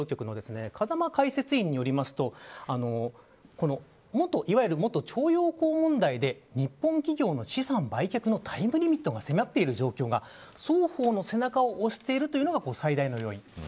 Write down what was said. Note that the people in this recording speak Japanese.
フジテレビ報道局の風間解説委員によりますといわゆる元徴用工問題で日本企業の資産売却のタイムリミットが迫っている状況が双方の背中を押しているというのが最大の要因。